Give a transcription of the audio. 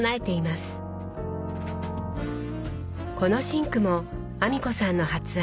このシンクも阿美子さんの発案。